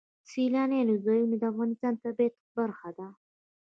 سیلانی ځایونه د افغانستان د طبیعت برخه ده.